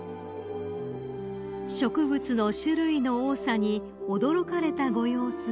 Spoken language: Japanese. ［植物の種類の多さに驚かれたご様子の秋篠宮さま］